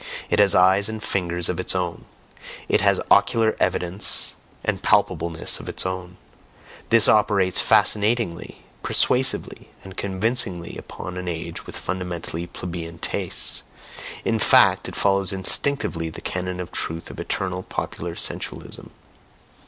It has eyes and fingers of its own, it has ocular evidence and palpableness of its own: this operates fascinatingly, persuasively, and CONVINCINGLY upon an age with fundamentally plebeian tastes in fact, it follows instinctively the canon of truth of eternal popular sensualism.